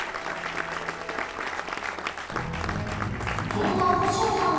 そんな星野さん